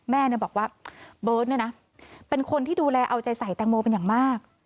แม่เนี่ยบอกว่าเบิร์ตเนี่ยนะเป็นคนที่ดูแลเอาใจใสแตงโมเป็นอย่างมาก